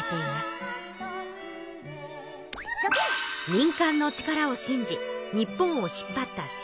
民間の力を信じ日本を引っ張った渋沢。